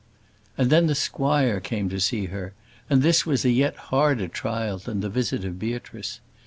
And then the squire came to see her, and this was a yet harder trial than the visit of Beatrice.